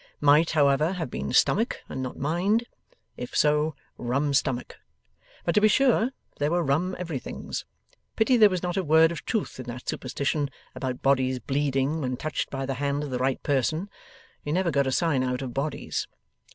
Might, however, have been Stomach and not Mind. If so, rum stomach. But to be sure there were rum everythings. Pity there was not a word of truth in that superstition about bodies bleeding when touched by the hand of the right person; you never got a sign out of bodies.